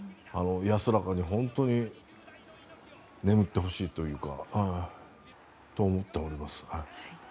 安らかに本当に眠ってほしいというか。と思っております。